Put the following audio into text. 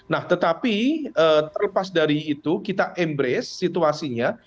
nah tetapi terlepas dari itu kita embrace situasinya